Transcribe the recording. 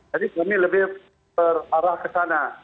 jadi kami lebih berarah ke sana